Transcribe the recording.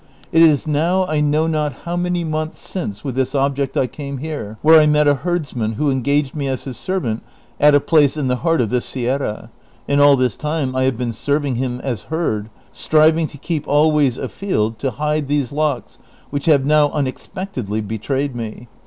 It is now I know not how many months since with this object I came here, wdiere I met a herdsman who engaged me as his servant at a place in the heart of this Sierra, and all this time I have been serving him as hertl, striving to keep always afield to hide these locks which have now unexpectedly betrayed me.